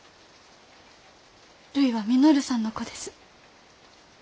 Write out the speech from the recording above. るいは稔さんの子です。